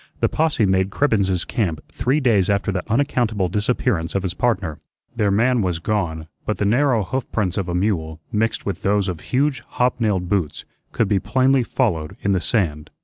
The posse made Cribbens's camp three days after the unaccountable disappearance of his partner. Their man was gone, but the narrow hoof prints of a mule, mixed with those of huge hob nailed boots, could be plainly followed in the sand.